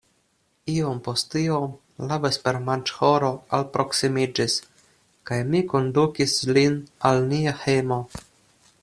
Iom post iom la vespermanĝhoro alproksimiĝis kaj mi kondukis lin al nia hejmo.